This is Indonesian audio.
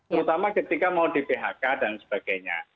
terutama ketika mau di phk dan sebagainya